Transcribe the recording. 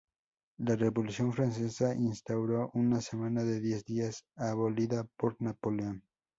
La revolución francesa instauró una semana de diez días, abolida por Napoleón.